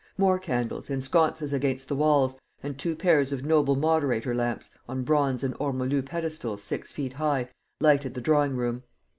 More candles, in sconces against the walls, and two pairs of noble moderator lamps, on bronze and ormolu pedestals six feet high, lighted the drawing room.